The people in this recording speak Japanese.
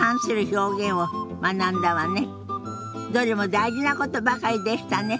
どれも大事なことばかりでしたね。